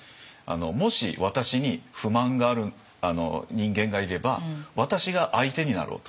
もし私に不満がある人間がいれば私が相手になろうと。